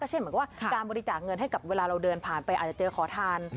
เช่นเหมือนกับว่าการบริจาคเงินให้กับเวลาเราเดินผ่านไปอาจจะเจอขอทาน